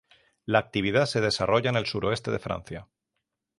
La actividad se desarrolla en el Suroeste de Francia.